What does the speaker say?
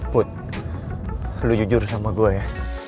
put lu jujur sama gue ya